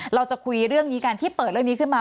เราจะคุยเรื่องนี้กันที่เปิดเรื่องนี้ขึ้นมา